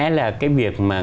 có lẽ là cái việc mà